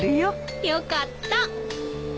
よかった。